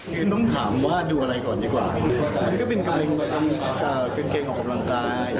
คือต้องถามว่าดูอะไรก่อนดีกว่าอันนี้ก็เป็นการทำกางเกงออกกำลังกาย